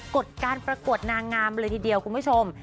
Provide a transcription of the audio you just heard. ดการประกวดนางงามเลยทีเดียวคุณผู้ชม